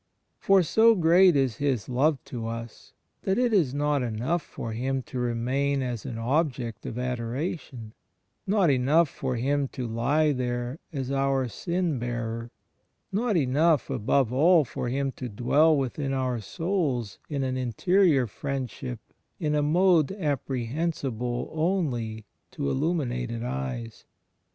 For, so great is His Love to us that it is not enough for Him to remain as an object of adoration, not enough for Him to lie there as our sin bearer — not enough, above all, for Him to dwell within our souls in an interior friendship in a mode apprehensible only to illuminated eyes.